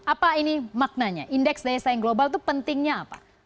apa ini maknanya indeks daya saing global itu pentingnya apa